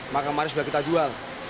maka kemarin sudah kita jual